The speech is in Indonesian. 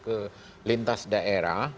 ke lintas daerah